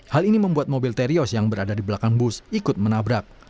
hal ini membuat mobil terios yang berada di belakang bus ikut menabrak